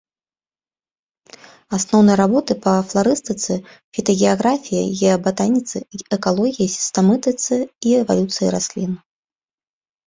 Асноўныя работы па фларыстыцы, фітагеаграфіі, геабатаніцы, экалогіі, сістэматыцы і эвалюцыі раслін.